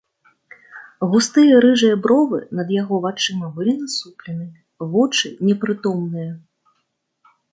Густыя рыжыя бровы над яго вачыма былі насуплены, вочы непрытомныя.